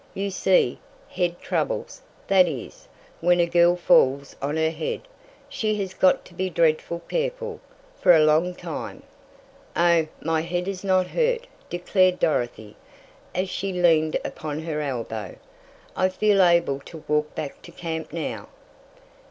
"You see, head troubles that is, when a girl falls on her head she has got to be dreadful careful, fer a long time." "Oh, my head is not hurt," declared Dorothy, as she leaned upon her elbow. "I feel able to walk back to camp now."